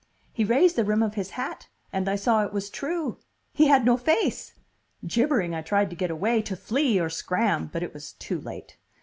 He raised the rim of his hat and I saw it was true! He had no face! Gibbering, I tried to get away, to flee or scram, but it was too late.